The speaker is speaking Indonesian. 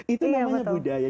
itu namanya budaya